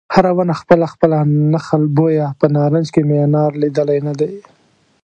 هره ونه خپله خپله نخل بویه په نارنج کې مې انار لیدلی نه دی